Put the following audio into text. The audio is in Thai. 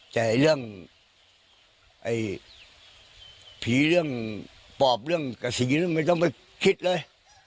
แต่เรื่องผีเรื่องปอบเรื่องกระสีไม่ต้องไปคิดเลย